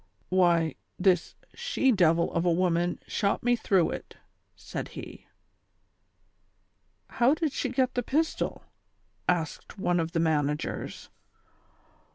" "Why, this she devil of a woman shot me through it," said he. " How did she get the pistol ?" asked one of the man agers.